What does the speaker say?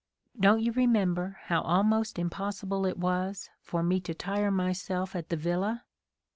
Don't you remember how almost impossible it was for me to tire myself at the villa?